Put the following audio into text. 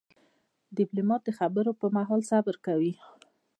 ډيپلومات د خبرو پر مهال صبر کوي.